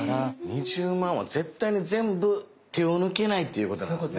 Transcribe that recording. ２０万は絶対に全部手を抜けないっていうことなんですね。